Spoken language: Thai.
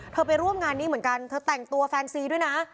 ไปร่วมงานนี้เหมือนกันเธอแต่งตัวแฟนซีด้วยนะ